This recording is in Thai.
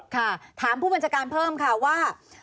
ค่ะถามผู้บัญชาการเพิ่มค่ะว่า